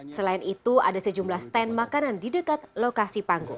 selain itu ada sejumlah stand makanan di dekat lokasi panggung